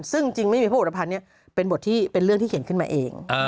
ซึ่งจริงไม่มีพระอุรภัณฑ์นี้เป็นบทที่เป็นเรื่องที่เขียนขึ้นมาเอง